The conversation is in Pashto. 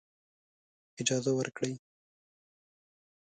اجازه ورکړي.